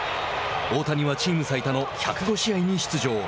大谷はチーム最多の１０５試合に出場。